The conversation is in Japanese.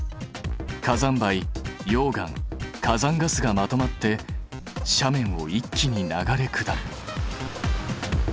火山灰溶岩火山ガスがまとまって斜面を一気に流れ下る。